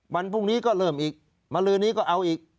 วันพรุ่งนี้ก็เริ่มอีกมาลือนี้ก็เอาอีก